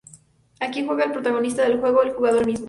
Aquí entra el protagonista del juego: el jugador mismo.